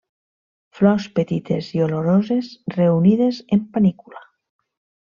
Flors petites i oloroses reunides en panícula.